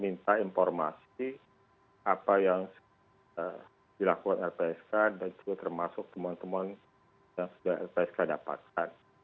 minta informasi apa yang dilakukan lpsk dan juga termasuk temuan temuan yang sudah lpsk dapatkan